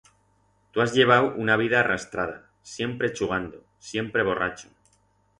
Tu has llevau una vida arrastrada, siempre chugando, siempre borracho.